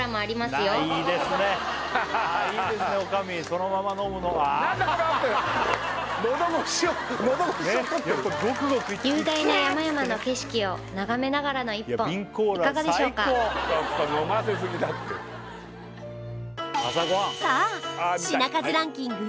そして雄大な山々の景色を眺めながらの１本いかがでしょうかさあ品数ランキング